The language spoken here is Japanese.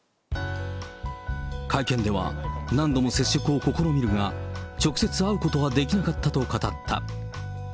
会見では何度も接触を試みるが、直接会うことはできなかったと語った。